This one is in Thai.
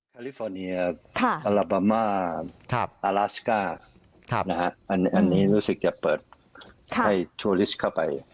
ลิฟอร์เนียอัลบามาอาราสก้าอันนี้รู้สึกจะเปิดให้โชลิสเข้าไป